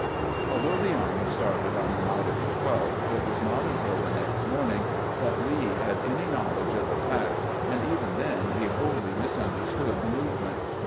Although the army started on the night of the 12th, it was not untU the next morning that Lee had any knowledge of the fact, and even then he wholly misun , derstood the movement.